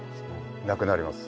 なくなります。